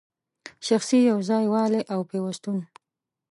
شخصي یو ځای والی او پیوستون